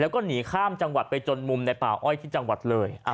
แล้วก็หนีข้ามจังหวัดไปจนมุมในป่าอ้อยที่จังหวัดเลย